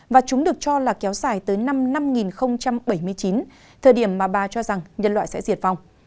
và chúng được cho là kéo dài tới năm năm một nghìn bảy mươi chín thời điểm mà bà cho rằng nhân loại sẽ diệt vong